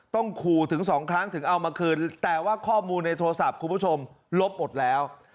ต้องขู่ถึงสองครั้งถึงเอามาคืนแต่ว่าข้อมูลในโทรศัพท์คุณผู้ชมลบหมดแล้ว